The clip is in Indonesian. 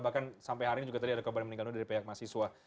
bahkan sampai hari ini juga tadi ada korban meninggal dunia dari pihak mahasiswa